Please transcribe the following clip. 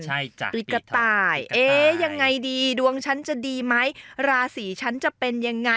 ใช่จ้ะปีเทาะปีกระต่ายเอ๊ยยังไงดีดวงฉันจะดีไหมราศีฉันจะเป็นยังไง